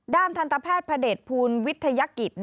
ด้านธรรมแพทย์พศมภูลวิทยากิตร